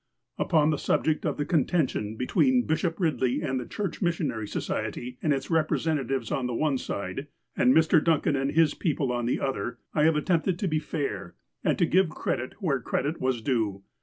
Upon the subject of the contention between Bishop Eidley and the Church Missionary Society and its repre sentatives on the one side, and Mr. Duncan and his people on the other, I have attempted to be fair, and to give credit where credit was due.